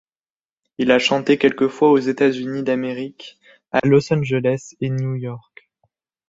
Il a chanté quelques fois aux États-Unis d'Amérique, à Los Angeles et New York.